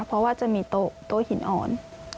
เพราะว่าจะมีโต๊ะหินอ่อน